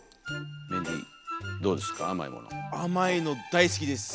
甘いの大好きです。